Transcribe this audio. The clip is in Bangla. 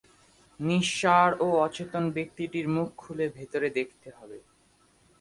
নিঃসাড় ও অচেতন ব্যক্তিটির মুখ খুলে ভেতরে দেখতে হবে।